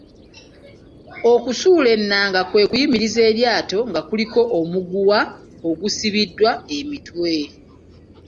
Okusuula ennanga kwe kuyimiriza eryato nga kuliko omuguwa ogusibiddwa emitwe.